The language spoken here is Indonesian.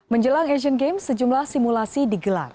menjelang asian games sejumlah simulasi digelar